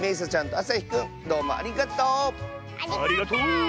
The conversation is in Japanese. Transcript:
ありがとう！